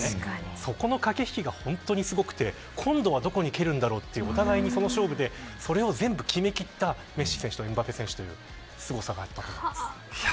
そこの駆け引きが本当にすごくて今度は、どこに蹴るんだろうという、お互いに、その勝負でそれを全部決め切ったメッシ選手とエムバペ選手というすごさがあったと思います。